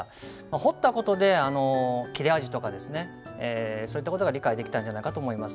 彫った事で切れ味とかそういった事が理解できたんじゃないかと思います。